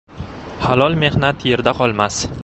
Halol mehnat yerda qolmas.